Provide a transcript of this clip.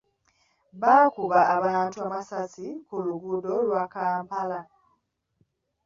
Baakuba abantu amasasi ku luguudo lwa Kampala.